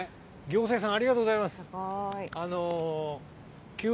行政さん、ありがとうございます。